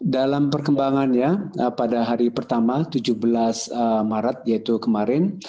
dalam perkembangannya pada hari pertama tujuh belas maret yaitu kemarin